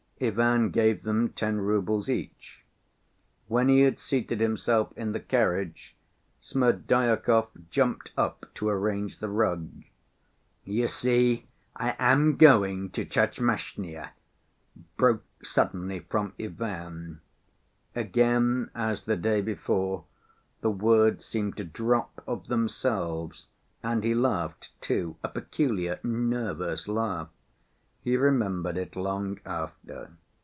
Ivan gave them ten roubles each. When he had seated himself in the carriage, Smerdyakov jumped up to arrange the rug. "You see ... I am going to Tchermashnya," broke suddenly from Ivan. Again, as the day before, the words seemed to drop of themselves, and he laughed, too, a peculiar, nervous laugh. He remembered it long after.